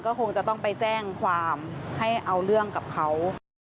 ก็คงจะต้องไปแจ้งความให้เอาเรื่องกับเขา